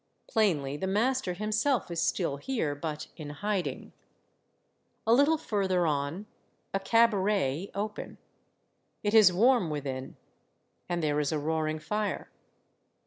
Plainly, the master him self is still here, but in hiding. A little further on, 96 Monday Tales, a cabaret, open. It is warm within, and there is a roaring fire.